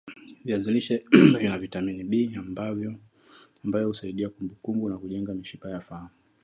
viazi lishe Vina vitamini B ambayo husaidia kumbukumbu na kujenga mishipa ya fahamu